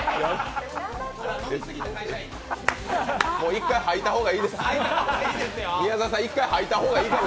１回、吐いた方がいいです。